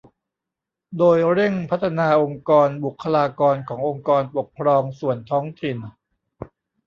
โดยเร่งพัฒนาองค์กรบุคลากรขององค์กรปกครองส่วนท้องถิ่น